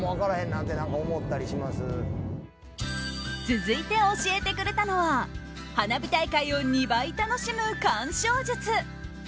続いて教えてくれたのは花火大会を２倍楽しむ観賞術。